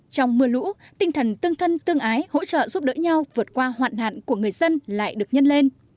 trong mưa lũ tinh thần tương thân tương ái hỗ trợ giúp đỡ nhau vượt qua hoạn nạn của người dân lại được nhân lên